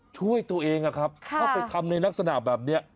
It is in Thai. ช่วยตัวเองอะครับเข้าไปทำในลักษณะแบบนี้